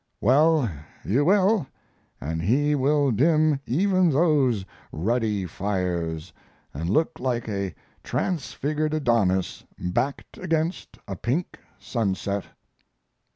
"Well, you will, and he will dim even those ruddy fires and look like a transfigured Adonis backed against a pink sunset."